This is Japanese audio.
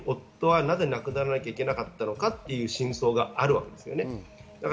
なぜ夫が亡くならなきゃいけなかったのかという真相があるわけです。